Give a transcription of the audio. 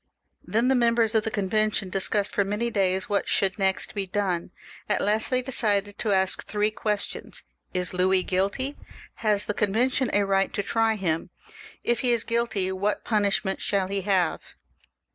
Kien the members of the Convention discussed for many days what should next be done. At last they decided to ask three questions :— Is Louis guilty ? Has the Convention a right to try him ? If he is guUty, what puiushment shaU he have